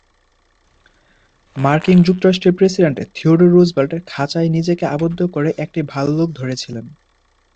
মার্কিন যুক্তরাষ্ট্রের president Theodore Roosevelt খাঁচায় নিজেকে আবদ্ধ করে একটি ভল্লুক ধরেছিলেন।